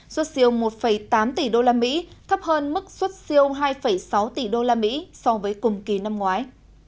xuất siêu một tám tỷ đô la mỹ thấp hơn mức xuất siêu hai sáu tỷ đô la mỹ so với cùng kỳ năm ngoái